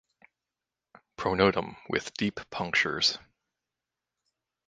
Pronotum with deep punctures.